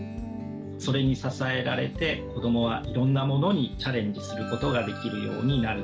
それに支えられて子どもはいろんなものにチャレンジすることができるようになる。